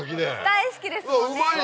大好きですもんね！